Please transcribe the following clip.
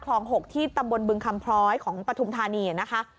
๖ที่ตำบลบึงคำพร้อยของปฐุมธานีนะคะ